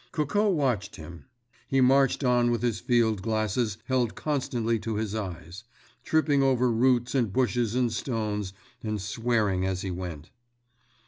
Coco watched him. He marched on with his field glasses held constantly to his eyes, tripping over roots and bushes and stones and swearing as he went.